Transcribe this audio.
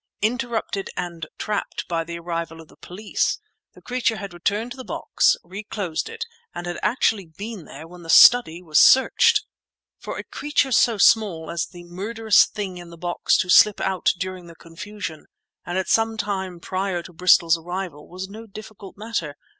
Interrupted and trapped by the arrival of the police, the creature had returned to the box, re closed it, and had actually been there when the study was searched! For a creature so small as the murderous thing in the box to slip out during the confusion, and at some time prior to Bristol's arrival, was no difficult matter.